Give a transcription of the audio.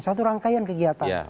satu rangkaian kegiatan